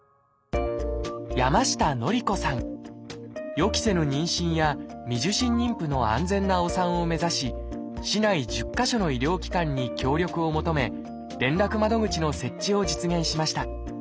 予期せぬ妊娠や未受診妊婦の安全なお産を目指し市内１０か所の医療機関に協力を求め連絡窓口の設置を実現しました。